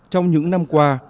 trong những năm qua